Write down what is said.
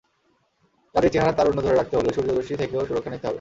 কাজেই চেহারায় তারুণ্য ধরে রাখতে হলে সূর্যরশ্মি থেকেও সুরক্ষা নিতে হবে।